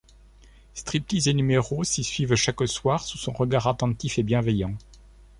Strip tease et numéros s'y suivent chaque soir sous son regard attentif et bienveillant.